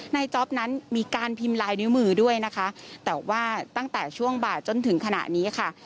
จ๊อปนั้นมีการพิมพ์ลายนิ้วมือด้วยนะคะแต่ว่าตั้งแต่ช่วงบ่ายจนถึงขณะนี้ค่ะ